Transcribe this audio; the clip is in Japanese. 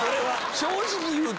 正直いうと。